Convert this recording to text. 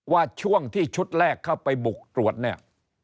ว่าช่วงที่ชุดแรกเข้าไปบุกตรวจเนี่ย